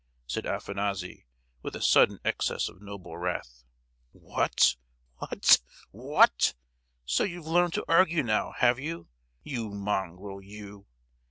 said Afanassy, with a sudden excess of noble wrath. "What, what—what! So you've learned to argue now, have you—you mongrel, you?